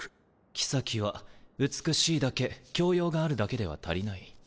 妃は美しいだけ教養があるだけでは足りない。